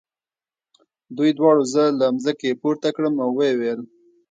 دوی دواړو زه له مځکې پورته کړم او ویې ویل.